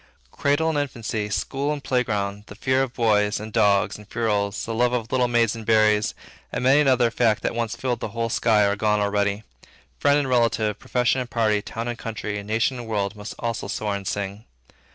Cradle and infancy, school and playground, the fear of boys, and dogs, and ferules, the love of little maids and berries, and many another fact that once filled the whole sky, are gone already; friend and relative profession and party, town and country, nation and world, must also soar and sing.